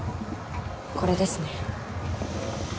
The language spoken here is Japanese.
これですね